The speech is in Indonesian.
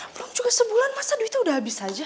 prof juga sebulan masa duitnya udah habis aja